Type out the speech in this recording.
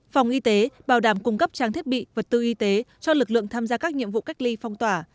phòng y tế bảo đảm cung cấp trang thiết bị vật tư y tế cho lực lượng tham gia các nhiệm vụ cách ly phong tỏa